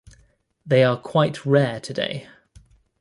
They are quite rare today.